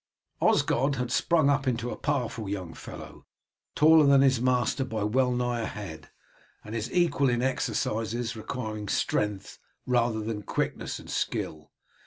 Osgod had sprung up into a powerful young fellow, taller than his master by well nigh a head, and his equal in exercises requiring strength rather than quickness and skill.